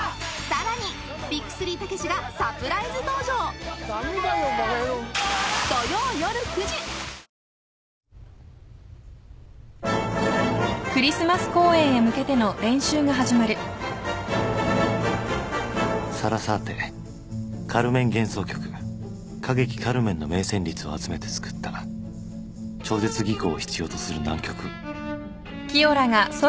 『サラサーテカルメン幻想曲』サラサーテ『カルメン幻想曲』歌劇「カルメン」の名旋律を集めて作った超絶技巧を必要とする難曲